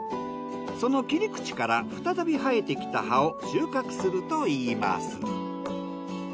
その切り口から再び生えてきた葉を収穫すると言います。